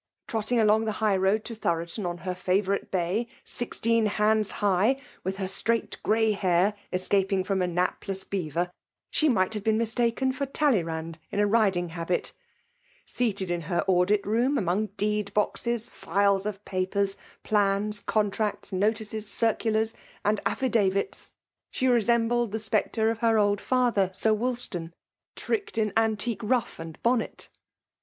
Trotting along the high road to Thoroton on her favourite bay, sixteen hands high, with her straight grey hair escaping firom a napless beaver, she might have been mistaken for Talleyrand in a riding habit ;— seated in her audit room among deed boxes, files of papers, plans, contracts, notices, circulars, and affi davits, she resembled the spectre of her old father. Sir Wolstan— Tricked in antique ruff and bonnet